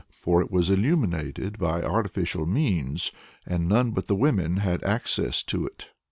For it was illuminated by artificial means, and none but women had access to it.